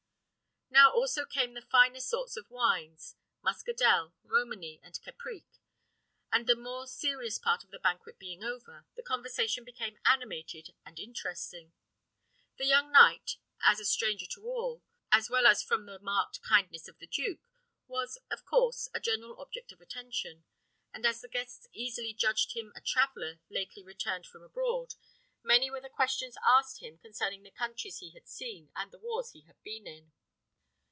Now also came the finer sorts of wines: Muscadel, Romanie, and Caprike; and the more serious part of the banquet being over, the conversation became animated and interesting. The young knight, as a stranger to all, as well as from the marked kindness of the duke, was, of course, a general object of attention; and as the guests easily judged him a traveller lately returned from abroad, many were the questions asked him concerning the countries he had seen, and the wars he had been in.